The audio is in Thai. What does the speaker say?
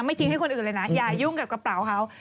ทิ้งให้คนอื่นเลยนะอย่ายุ่งกับกระเป๋าเขา